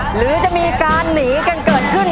หรือจะมีการหนีกันเกิดขึ้น